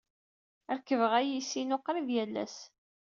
Rekkbeɣ ayis-inu qrib yal ass.